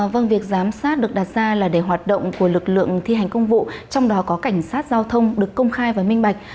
vâng việc giám sát được đặt ra là để hoạt động của lực lượng thi hành công vụ trong đó có cảnh sát giao thông được công khai và minh bạch